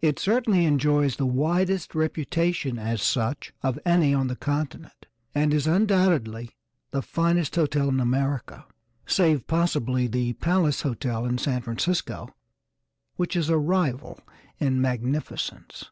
It certainly enjoys the widest reputation as such of any on the continent, and is undoubtedly the finest hotel in America, save possibly the Palace Hotel, in San Francisco, which is a rival in magnificence.